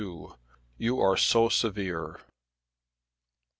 "YOU ARE SO SEVERE."